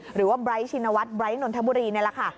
หรือว่าไบร์ทชินวัฒน์ไร้นนทบุรีนี่แหละค่ะ